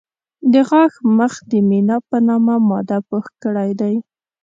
د غاښ مخ د مینا په نامه ماده پوښ کړی دی.